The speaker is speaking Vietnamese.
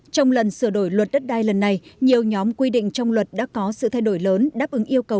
trong lần sửa đổi luật đất đai lần này nhiều nhóm quy định trong luật đã có sự thay đổi lớn đáp ứng yêu cầu